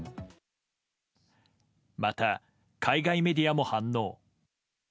また、海外メディアも反応。